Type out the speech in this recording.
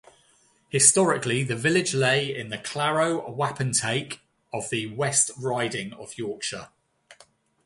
Historically, the village lay in the Claro Wapentake of the West Riding of Yorkshire.